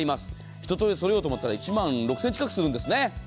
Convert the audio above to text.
ひととおり揃えようと思ったら１万６０００円近くするんです。